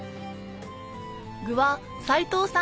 具は齊藤さん